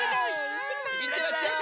いってらっしゃい！